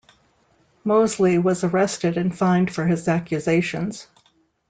Moseley was arrested and fined for his accusations.